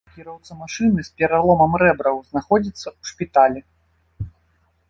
Кіроўца машыны з пераломам рэбраў знаходзіцца ў шпіталі.